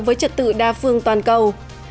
với trật tự đa phương toàn cầu